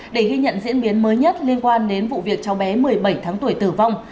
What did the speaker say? để ghi nhận diễn biến mới nhất liên quan đến vụ việc cháu bé một mươi bảy tháng tuổi tử vong